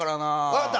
わかった！